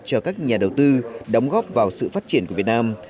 cho các nhà đầu tư đóng góp vào sự phát triển của việt nam